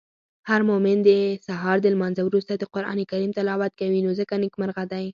هرمومن د سهار د لمانځه وروسته د قرانکریم تلاوت کوی نو ځکه نیکمرغه دی.